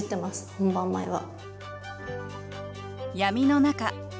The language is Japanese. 本番前は。